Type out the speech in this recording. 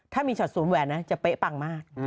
ถ้ามีช็อตศูนย์แหวนนะจะเป๊ะปังมาก